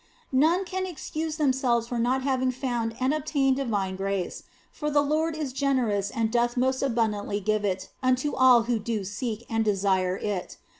None can excuse themselves for not having found and obtained divine mercy, for the Lord is generous and doth most abundantly give it unto all who do seek and desire it.